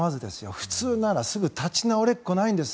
普通ならすぐ立ち直れっこないんです。